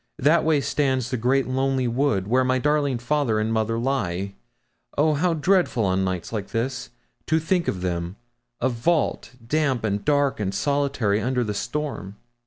That way stands the great lonely wood, where my darling father and mother lie. Oh, how dreadful on nights like this, to think of them a vault! damp, and dark, and solitary under the storm.'